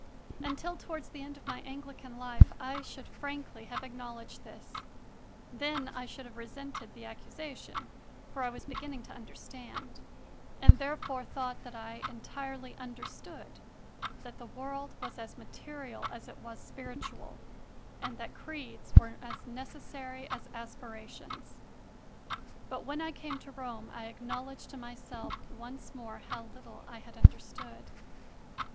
Until towards the end of my Anglican life I should frankly have acknowledged this; then I should have resented the accusation, for I was beginning to understand and, therefore, thought that I entirely understood that the world was as material as it was spiritual, and that creeds were as necessary as aspirations. But when I came to Rome I acknowledged to myself once more how little I had understood.